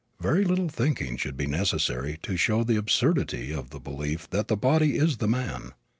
Very little thinking should be necessary to show the absurdity of the belief that the body is the man.